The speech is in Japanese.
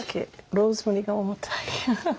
ローズマリーが重たい。